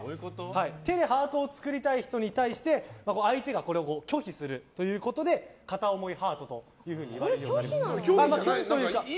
手でハートを作りたい人に対して相手が拒否するということで片思いハートといわれるように。